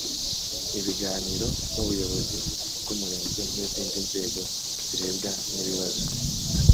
ibiganiro n ubuyobozi bw umurenge n izindi nzego zirebwa n ibibazo